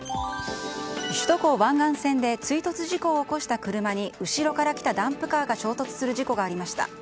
首都高湾岸線で追突事故を起こした車に後ろから来たダンプカーが衝突する事故がありました。